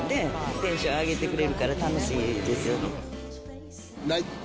テンション上げてくれるから楽しいですよね。